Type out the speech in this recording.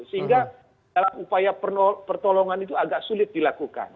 sehingga dalam upaya pertolongan itu agak sulit dilakukan